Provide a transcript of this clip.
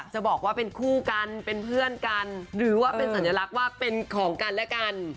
จะบอกว่าเป็นคู่กันเป็นเพื่อนกันหรือว่าเป็นสัญลักษณ์ว่าเป็นของกันและกัน